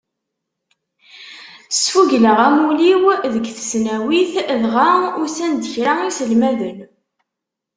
Sfugleɣ amulli-w deg tesnawit, dɣa usan-d kra iselmaden.